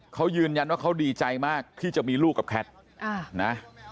เขายืนยันว่าเขาดีใจมากที่จะมีลูกกับแคทนะ